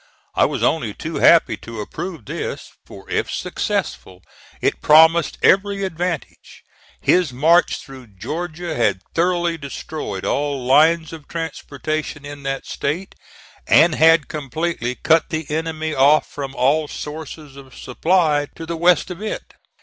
I was only too happy to approve this; for if successful, it promised every advantage. His march through Georgia had thoroughly destroyed all lines of transportation in that State, and had completely cut the enemy off from all sources of supply to the west of it.